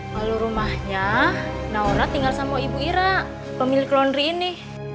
lalu rumahnya nauna tinggal sama ibu ira pemilik laundry ini